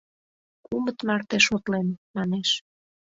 — Кумыт марте шотлем, — манеш.